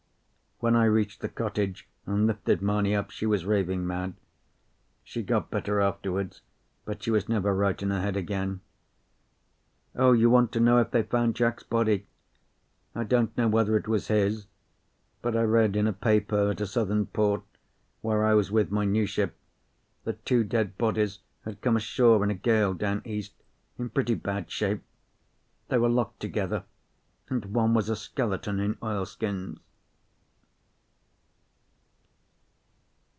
When I reached the cottage and lifted Mamie up, she was raving mad. She got better afterwards, but she was never right in her head again. Oh, you want to know if they found Jack's body? I don't know whether it was his, but I read in a paper at a Southern port where I was with my new ship that two dead bodies had come ashore in a gale down East, in pretty bad shape. They were locked together, and one was a skeleton in oilskins.